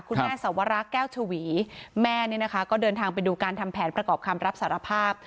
สวระแก้วชวีแม่เนี่ยนะคะก็เดินทางไปดูการทำแผนประกอบคำรับสารภาพ